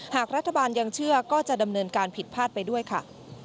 หากรัฐบาลยังเชื่อก็จะดำเนินการผิดพลาดไปด้วยค่ะ